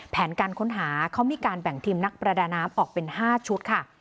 แผนการค้นหาเขามีการแบ่งทีมนักประดาน้ำออกเป็น๕ชุดค่ะ